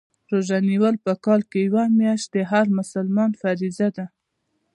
روژه نیول په کال کي یوه میاشت د هر مسلمان فریضه ده